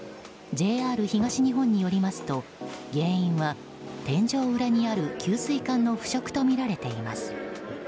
ＪＲ東日本によりますと原因は天井裏にある給水管の腐食とみられています。